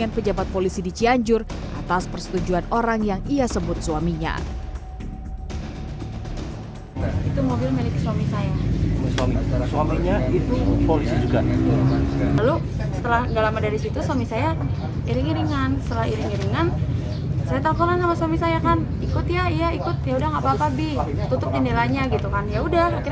ikut ya ya ikut yaudah gak apa apa tutup jendelanya gitu kan yaudah akhirnya saya ikut iring iringan di belakang gitu